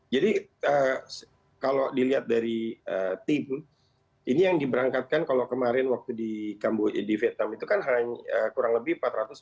jadi kalau dilihat dari tim ini yang diberangkatkan kalau kemarin waktu di vetam itu kan kurang lebih empat ratus sembilan puluh sembilan